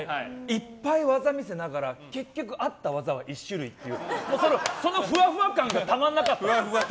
いっぱい技を見せながら結局、あった技は１種類っていうそのふわふわ感がたまらなかった。